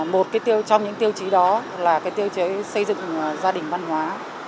một trong những tiêu chí đó là tiêu chế xây dựng gia đình văn hóa